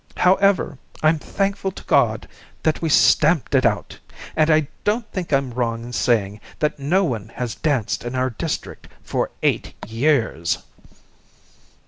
However, I'm thankful to God that we stamped it out, and I don't think I'm wrong in saying that no one has danced in our district for eight years."